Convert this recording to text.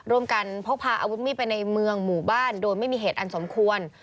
ร่วมกันพกพาอาวุธมีดไปในเมืองหมู่บ้านโดยไม่มีเหตุอันสมควร